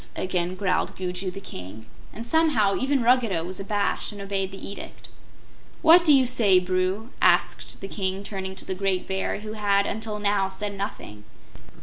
again growled Gugu the King; and somehow, even Ruggedo was abashed and obeyed the edict. "What do you say, Bru?" asked the King, turning to the great Bear, who had until now said nothing.